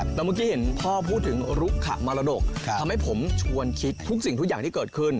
แต่เมื่อกี้เห็นพ่อพูดถึงรุกขมรดกทำให้ผมชวนคิดทุกสิ่งทุกอย่างที่เกิดขึ้น